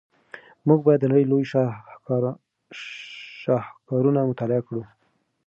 موږ باید د نړۍ لوی شاهکارونه مطالعه کړو.